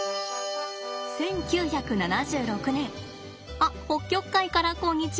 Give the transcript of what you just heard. あっ北極海からこんにちは。